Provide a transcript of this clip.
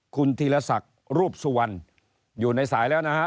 คุณธีรศักดิ์รูปสุวรรณอยู่ในสายแล้วนะฮะ